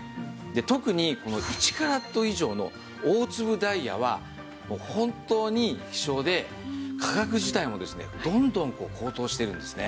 特に１カラット以上の大粒ダイヤは本当に希少で価格自体もですねどんどん高騰してるんですね。